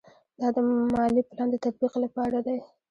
دا د مالي پلان د تطبیق لپاره دی.